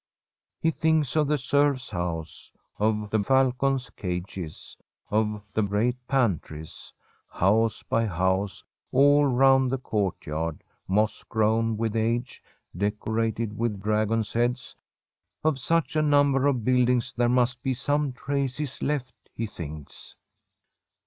He thinks of the serfs' house, of the falcon's cages, of the great pantries — house by house all round the court yard, moss grown with age, decorated with dragons' heads. Of such a number of buildings there must be some traces left, he thinks.